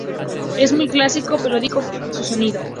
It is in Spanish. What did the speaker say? Es muy clásico y melódico su sonido.